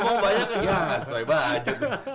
ngomong banyak ya ga sesuai budget